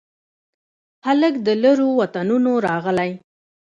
هلک د لیرو وطنونو راغلي